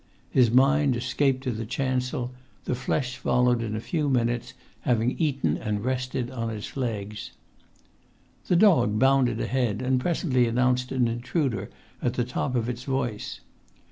His mind had escaped to the chancel; the flesh followed in a few minutes, having eaten and rested on its legs. The dog bounded ahead, and presently announced an intruder at the top of its voice.